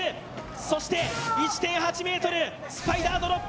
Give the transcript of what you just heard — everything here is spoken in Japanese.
そして１．８ｍ、スパイダードロップ。